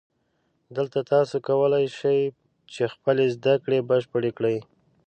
دلته تاسو کولای شئ چې خپلې زده کړې بشپړې کړئ